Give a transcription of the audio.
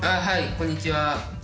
はいこんにちは。